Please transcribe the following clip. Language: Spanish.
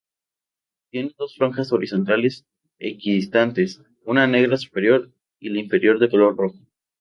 Tiene dos franjas horizontales equidistantes; una negra superior y la inferior de color rojo.